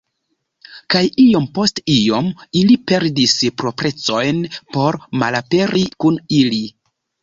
Kaj iom post iom ili perdis proprecojn por malaperi kun ili.